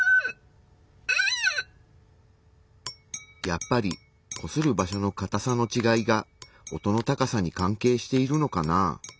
やっぱりこする場所のかたさのちがいが音の高さに関係しているのかなぁ。